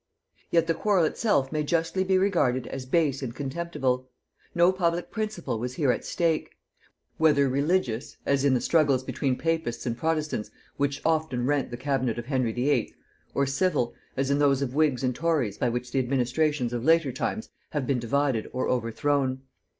Yet the quarrel itself may justly be regarded as base and contemptible; no public principle was here at stake; whether religious, as in the struggles between papists and protestants which often rent the cabinet of Henry VIII.; or civil, as in those of whigs and tories by which the administrations of later times have been divided and overthrown.